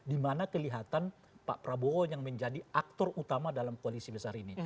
dimana kelihatan pak prabowo yang menjadi aktor utama dalam koalisi besar ini